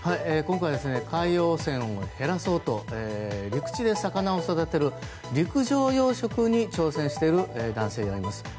今回は海洋汚染を減らそうと陸地で魚を育てる陸上養殖に挑戦している男性であります。